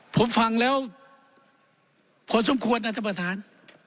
ผมฟังแล้วพอสมควรนะท่านประธาน